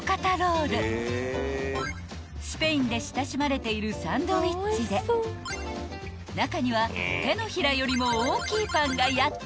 ［スペインで親しまれているサンドイッチで中には手のひらよりも大きいパンが８つ］